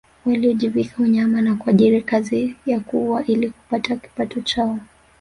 Waliojivika unyama na kujiajiri katika kazi ya kuua ili wapate kipato chao